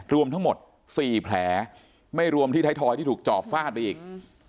รวมทั้งหมด๔แผลไม่รวมที่ไทยทอยที่ถูกจอบฟาดไปอีก